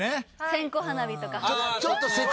線香花火とか。